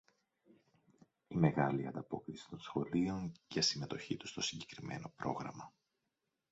Η μεγάλη ανταπόκριση των σχολείων για συμμετοχή τους στο συγκεκριμένο πρόγραμμα